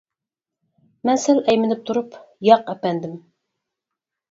مەن سەل ئەيمىنىپ تۇرۇپ : ياق، ئەپەندىم.